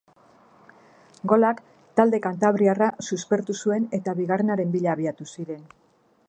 Golak talde kantabriarra suspertu zuen eta bigarrenaren bila abiatu ziren.